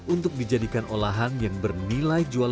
untuk dijadikan olahan yang bernilai di dalam